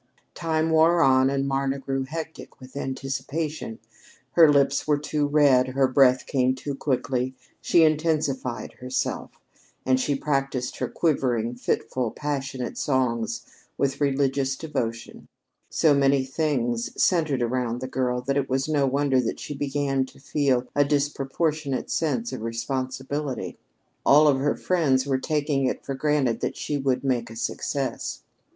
Time wore on, and Marna grew hectic with anticipation. Her lips were too red, her breath came too quickly; she intensified herself; and she practiced her quivering, fitful, passionate songs with religious devotion. So many things centered around the girl that it was no wonder that she began to feel a disproportionate sense of responsibility. All of her friends were taking it for granted that she would make a success. Mrs.